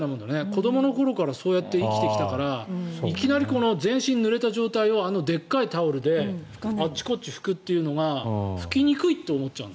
子どもの頃からそうやって生きてきてからいきなり全身ぬれた状態であのでっかいタオルであちこち拭くのが拭きにくいと思っちゃう。